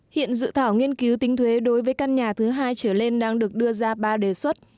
hiện dự thảo nghiên cứu tính thuế đối với căn nhà thứ hai trở lên đang được đưa ra ba đề xuất